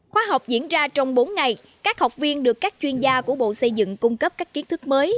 khóa học diễn ra trong bốn ngày các học viên được các chuyên gia của bộ xây dựng cung cấp các kiến thức mới